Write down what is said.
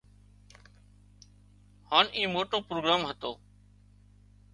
هانَ اِي موٽو پروگرام هتو